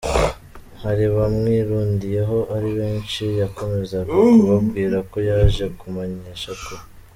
bari bamwirundiyeho ari benshi yakomezaga kubabwira ko yaje kubamenyesha ko.